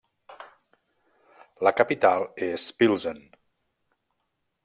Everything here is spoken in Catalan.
La capital és Plzeň.